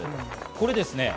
これですね。